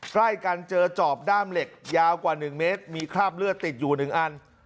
ใกล้กันเจอจอบด้ามเหล็กยาวกว่า๑เมตรมีคราบเลือดติดอยู่๑อัน